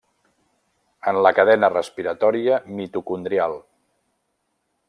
En la cadena respiratòria mitocondrial.